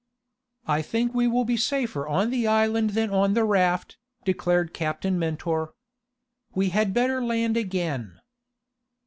"I think we will be safer on the island than on the raft," declared Captain Mentor. "We had better land again."